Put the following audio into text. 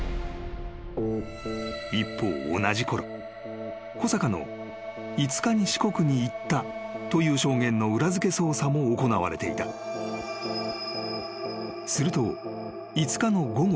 一方同じころ小坂の５日に四国に行ったという証言の裏付け捜査も行われていた］［すると５日の午後１０時］